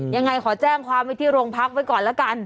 ยังไงขอแจ้งความไว้ที่โรงพักไว้ก่อนแล้วกัน